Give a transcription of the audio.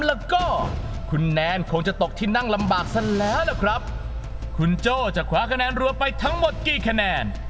แล้วก็คุณแนนคงจะตกที่นั่งลำบากซะแล้วล่ะครับคุณโจ้จะคว้าคะแนนรวมไปทั้งหมดกี่คะแนน